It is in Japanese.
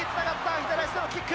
左足のキック。